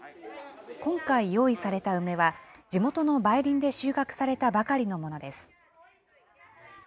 今回、用意された梅は、地元の梅林で収穫されたばかりのものです。